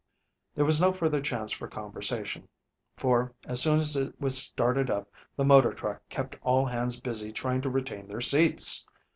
There was no further chance for conversation, for, as soon as it was started up, the motor truck kept all hands busy trying to retain their seats.